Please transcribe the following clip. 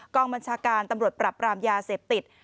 กองบัญชาการตำรวจปรับปรามยาเสพติด